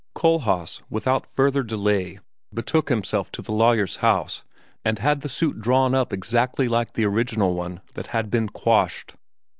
Kohlhaas, without further delay, betook himself to the lawyer's house and had the suit drawn up exactly like the original one which had been quashed.